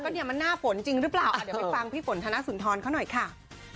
เนี่ยมันหน้าฝนจริงหรือเปล่าเดี๋ยวไปฟังพี่ฝนธนสุนทรเขาหน่อยค่ะ